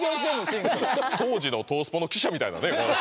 真くん当時の東スポの記者みたいなね